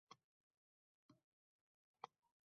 Ey, mazlum inson!